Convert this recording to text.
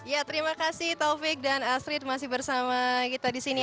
ya terima kasih taufik dan astrid masih bersama kita di sini